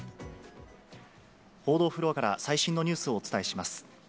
報道フロアから最新のニュースをお伝えします。